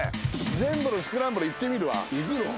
全部のスクランブル行ってみるわ。